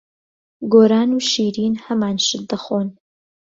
گۆران و شیرین هەمان شت دەخۆن.